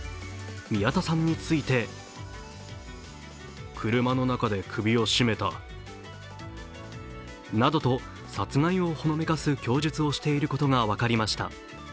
宮田さんについてなどと殺害をほのめかす供述をしていることが分かりました。